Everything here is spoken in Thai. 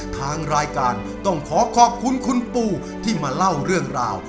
ทางรายการต้องขอขอบคุณคุณปูที่มาเล่าเรื่องราว